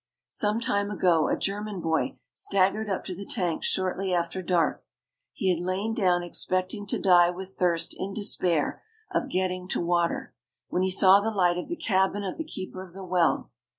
Some time ago a German boy staggered up to the tanks shortly after dark. He had lain down expecting to die with thirst in despair of getting to water, when he saw the light of the cabin of the keeper of the well.